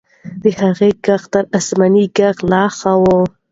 د هغې ږغ تر آسماني ږغ لا ښه و.